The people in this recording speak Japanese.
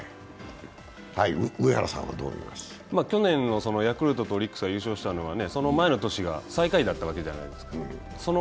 去年のヤクルトとオリックスが優勝したのは、その前の年が最下位だったわけじゃないですか。